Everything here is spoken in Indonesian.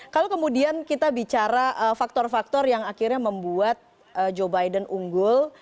kalau kemudian kita bicara faktor faktor yang akhirnya membuat joe biden unggul